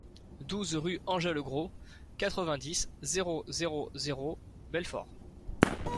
douze rue Engel Gros, quatre-vingt-dix, zéro zéro zéro, Belfort